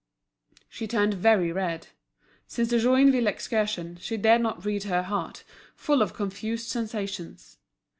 She turned very red. Since the Joinville excursion, she dared not read her heart, full of confused sensations.